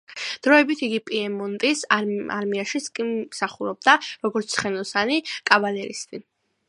დროებით იგი პიემონტის არმიაშიც კი მსახურობდა, როგორც ცხენოსანი კავალერისტი.